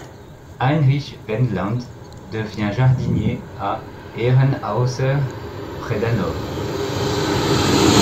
Heinrich Wendland devient jardinier à Herrenhäuser près d’Hanovre.